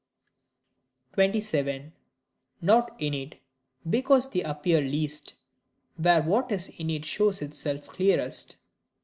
27. Not innate, because they appear least, where what is innate shows itself clearest.